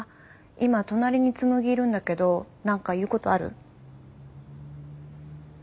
今隣に紬いるんだけど何か言うことある？